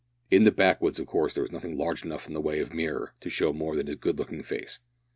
In the backwoods, of course, there was nothing large enough in the way of mirror to show more than his good looking face.